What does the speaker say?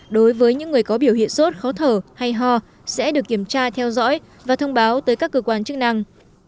đối với những người có biểu hiện sốt khó thở hay ho sẽ được kiểm tra theo dõi và thông báo tới các cơ quan chức năng